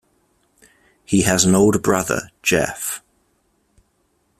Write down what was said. He has an older brother, Jeff.